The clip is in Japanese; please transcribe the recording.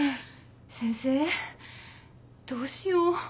先生どうしよう？